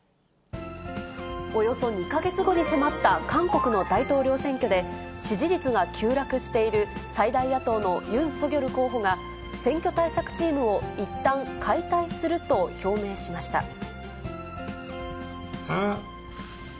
およそ２か月後に迫った韓国の大統領選挙で、支持率が急落している最大野党のユン・ソギョル候補が、選挙対策チームをいったん解体すると表明しました。